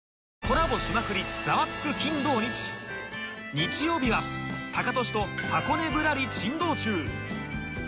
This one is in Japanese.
日曜日はタカトシと箱根ぶらり珍道中